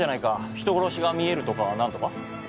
人殺しが見えるとか何とか。